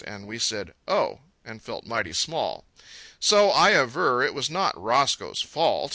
And we said "Oh," and felt mighty small. So I aver, it was not Roscoe's fault.